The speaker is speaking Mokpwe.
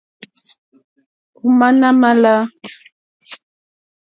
Ò má nà mà lá.